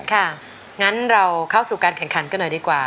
งั้นเราเข้าสู่การแข่งขันกันหน่อยดีกว่า